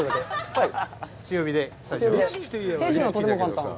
強火で、最初は。